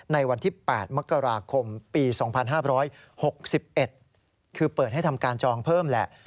ในวันที่๘มกราคมปี๒๕๖๑คือเปิดให้ทำการจองเพิ่มแหละ